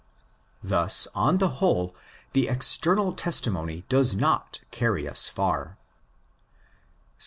Thus on the whole the external testimony does not carry us far.